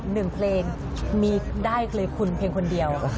หนึ่งเพลงมีได้เลยคุณเพียงคนเดียว